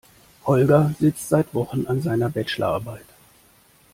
Holger sitzt seit Wochen an seiner Bachelorarbeit.